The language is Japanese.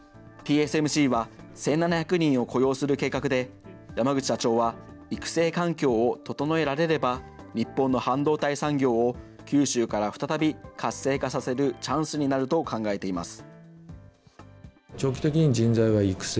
ＴＳＭＣは、１７００人を雇用する計画で、山口社長は、育成環境を整えられれば日本の半導体産業を、九州から再び活性化させるチャンスになると考えています。